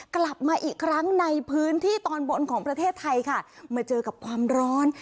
กลับมาอีกครั้งในพื้นที่ตอนบนของประเทศไทยค่ะมาเจอกับความร้อน